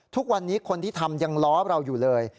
ทุกวันนี้คนที่ทำยังล้อเราอยู่เลย